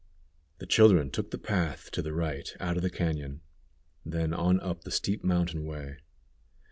The children took the path to the right out of the cañon, then on up the steep mountain way.